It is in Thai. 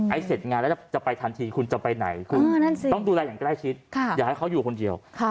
เสร็จงานแล้วจะไปทันทีคุณจะไปไหนคุณต้องดูแลอย่างใกล้ชิดอย่าให้เขาอยู่คนเดียว